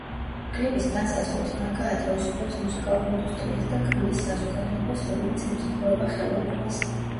კლიპის დასასრულს გაგა ათავისუფლებს მუსიკალურ ინდუსტრიას და ქმნის საზოგადოებას, რომელიც ემსახურება ხელოვნებას.